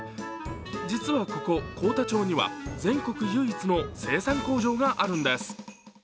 実はここ幸田町には全国唯一の生産工場があるんです。